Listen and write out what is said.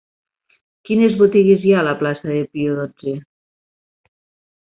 Quines botigues hi ha a la plaça de Pius dotze?